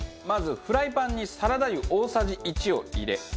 まず、フライパンにサラダ油、大さじ１を入れ。